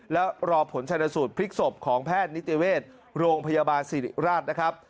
แล้วรอผลชนสูตรพลิกศพของแพทย์นิติเวชโรงพยาบาลสิริราชนะครับ